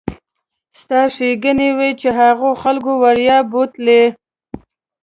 ستا ښېګڼې وي چې هغو خلکو وړیا بوتللې.